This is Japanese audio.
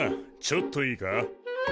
ちょっといいか。